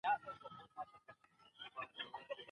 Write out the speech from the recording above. که تاسو روغ یاست، نو د نورو مريضانو لاسنیوی وکړئ.